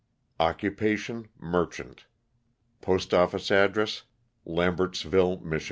Occupation, merchant. Postoffice address Lamberts ville, Mich.